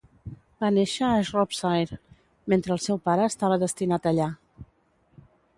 Va néixer a Shropshire mentre el seu pare estava destinat allà.